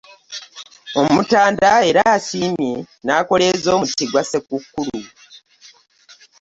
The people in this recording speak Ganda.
Omutanda era asiimye n'akoleeza omuti gwa Ssekukkulu